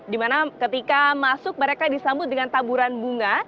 dimana ketika masuk mereka disambut dengan taburan bunga